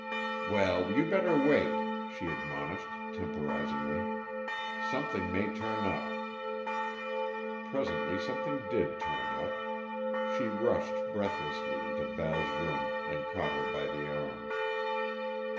"Well, you better wait," she admonished temporizingly. "Something may turn up." Presently something did turn up. She rushed breathlessly into Val's room and caught her by the arm.